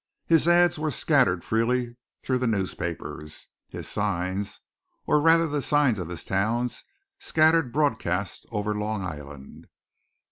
His ads were scattered freely through the newspapers: his signs, or rather the signs of his towns, scattered broadcast over Long Island.